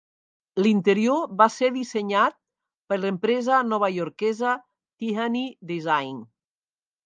L'interior va ser dissenyat per l'empresa novaiorquesa Tihany Design.